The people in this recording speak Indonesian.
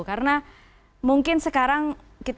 karena mungkin sekarang kita bersemangat soal itu